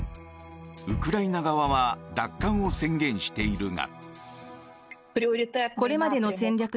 ウクライナ側は奪還を宣言しているが。